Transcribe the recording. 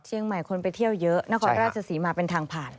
เชียงใหม่คนไปเที่ยวเยอะนครราชสีมาเป็นทางผ่าน